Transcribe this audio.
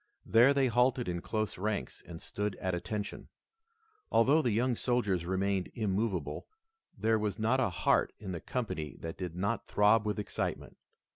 There they halted in close ranks and stood at attention. Although the young soldiers remained immovable, there was not a heart in the company that did not throb with excitement.